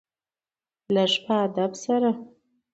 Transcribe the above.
لږ په ادب سره .